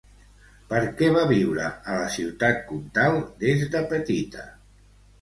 Per què va viure a la Ciutat Comtal des de petita?